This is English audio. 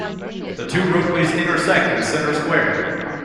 The two roadways intersect in Center Square.